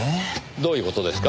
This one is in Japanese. どういう事ですか？